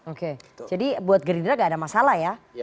oke jadi buat gerindra gak ada masalah ya